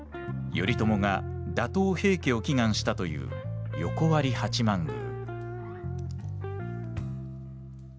頼朝が打倒平家を祈願したという横割八幡宮。